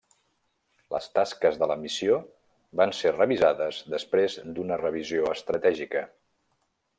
Les tasques de la missió van ser revisades després d'una revisió estratègica.